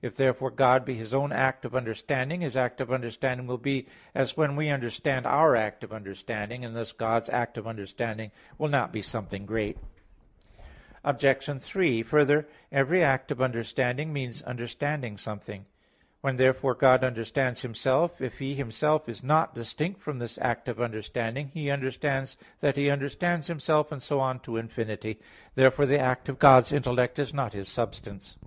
If therefore God be his own act of understanding, His act of understanding will be as when we understand our act of understanding: and thus God's act of understanding will not be something great. Obj. 3: Further, every act of understanding means understanding something. When therefore God understands Himself, if He Himself is not distinct from this act of understanding, He understands that He understands Himself; and so on to infinity. Therefore the act of God's intellect is not His substance.